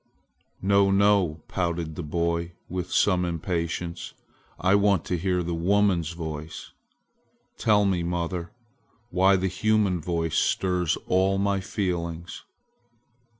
"No, no!" pouted the boy with some impatience. "I want to hear the woman's voice! Tell me, mother, why the human voice stirs all my feelings!"